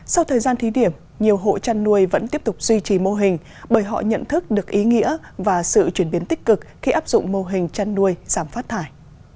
sau thời gian thí điểm nhiều hộ chăn nuôi vẫn tiếp tục duy trì mô hình bởi họ nhận thức được ý nghĩa và sự chuyển biến tích cực khi áp dụng mô hình chăn nuôi giảm phát thải